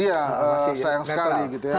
itu dia sayang sekali gitu ya